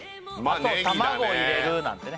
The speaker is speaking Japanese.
あと卵入れるなんてね